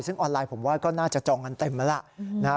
ซึ่งออนไลน์ผมว่าก็น่าจะจองกันเต็มแล้วล่ะ